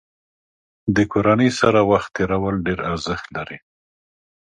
د کورنۍ سره وخت تېرول ډېر ارزښت لري.